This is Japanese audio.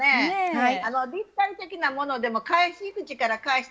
はい。